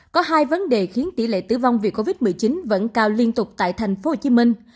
có hai vấn đề khiến tỷ lệ tử vong vì covid một mươi chín vẫn cao liên tục tại thành phố hồ chí minh